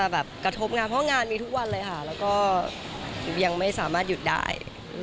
อย่างไม่สามารถหยุดได้